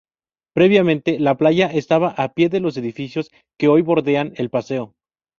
Previamente, la playa estaba a pie de los edificios que hoy bordean el paseo.